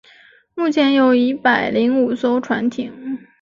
目前有一百零五艘船艇。